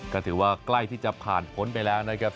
ก็ถือว่าใกล้ที่จะผ่านพ้นไปแล้วนะครับ